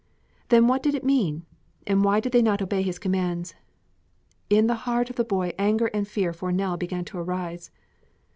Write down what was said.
Then what did it mean? And why did they not obey his commands? In the heart of the boy anger and fear for Nell began to rise.